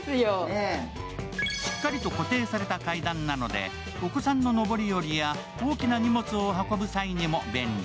しっかりと固定された階段なので、お子さんの上り下りや大きな荷物を運ぶ際にも便利。